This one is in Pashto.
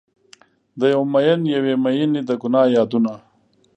د یو میین یوې میینې د ګناه یادونه